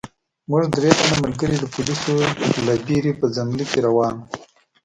موږ درې تنه ملګري د پولیسو له ډاره په ځنګله کې روان وو.